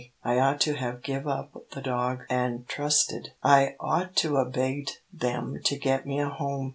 I ought to have give up the dog, an' trusted. I ought to 'a' begged them to get me a home.